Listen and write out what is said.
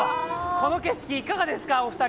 この景色いかがですか、お二人。